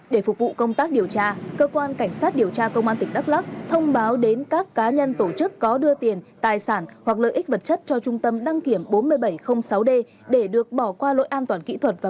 để phục vụ công tác điều tra cơ quan cảnh sát điều tra công an tỉnh đắk lắc thông báo đến các cá nhân tổ chức có đưa tiền tài sản hoặc lợi ích vật chất cho trung tâm đăng kiểm bốn nghìn bảy trăm linh sáu d để được bỏ qua lỗi an toàn kỹ thuật